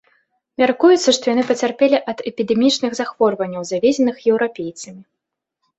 Мяркуецца, што яны пацярпелі ад эпідэмічных захворванняў, завезеных еўрапейцамі.